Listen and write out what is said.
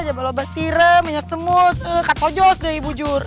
jabaloba sirem minyak semut katojos deh ibu jur